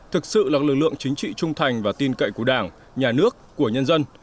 thực sự là lực lượng chính trị trung thành và tin cậy của đảng nhà nước của nhân dân